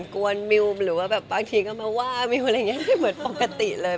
กวนมิวหรือว่าแบบบางทีก็มาว่ามิวอะไรอย่างนี้ไม่เหมือนปกติเลย